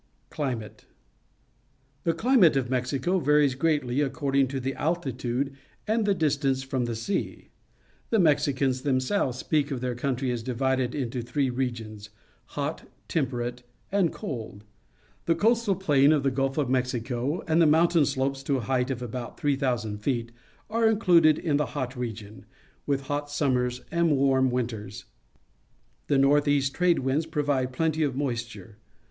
Climate. — The climate of Mexico varies greatly according to the altitude and the distance from the sea. The Mexicans them selves speak of their country as divided into three regions — hot, temperate, and cold. The coastal plain of the Gulf of Mexico and the mountain slopes to a height of about 3,000 feet are included in the hot region, with hot sunomers and warm winters. The north east trade winds provide plenty of moisture.